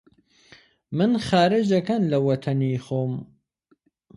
من خارج ئەکەن لە وەتەنی خۆم!؟